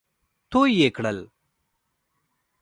تو يې کړل.